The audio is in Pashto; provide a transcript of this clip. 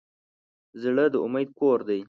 زړه د امید کور دی.